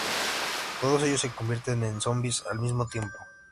Todos ellos se convierten en zombies al mismo tiempo.